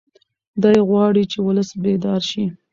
دی غواړي چې ولس بیدار شي.